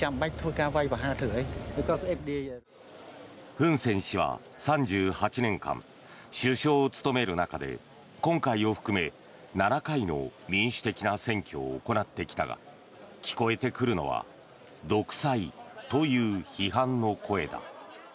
フン・セン氏は３８年間首相を務める中で今回を含め、７回の民主的な選挙を行ってきたが聞こえてくるのは独裁という批判の声だ。